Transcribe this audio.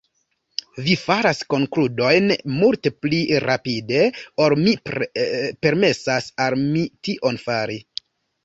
Vi faras konkludojn multe pli rapide ol mi permesas al mi tion fari.